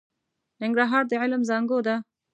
ننګرهار د علم زانګو ده.